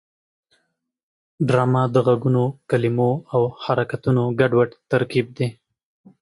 ډرامه د غږونو، کلمو او حرکتونو ګډوډ ترکیب دی